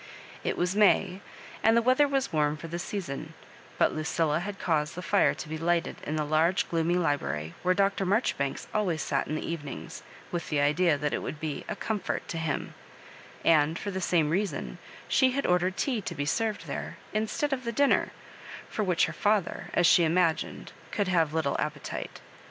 It was May, and the weather was warm for the season; but Luciila had caused the fire to be lighted in the large gloomy library where Dr. Marjoribanks always sat in the evenings, with the idea that it would be *' a coinfort " to him ; and, for the same reason, she had ordered tea to be served there, instead of the dinner, for which her father, as she imagined, could have little appetite.